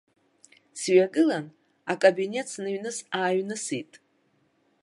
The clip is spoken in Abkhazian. Сҩагылан, акабинет сныҩныс-ааҩнысит.